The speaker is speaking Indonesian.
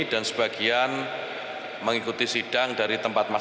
jangan lupa mengikuti saluran bersama mas mates